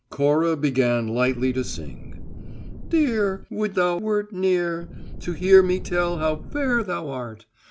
Cora began lightly to sing: ... "Dear, Would thou wert near To hear me tell how fair thou art!